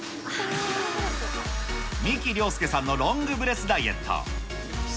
美木良介さんのロングブレスダイエット。